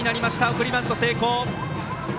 送りバント成功。